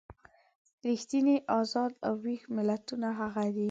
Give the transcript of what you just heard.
ریښتیني ازاد او ویښ ملتونه هغه دي.